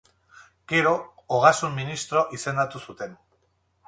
Gero, Ogasun ministro izendatu zuten.